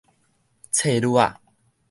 冊鑢仔